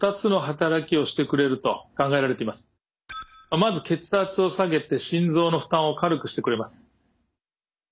まず血圧を下げて心臓の負担を軽くしてくれます。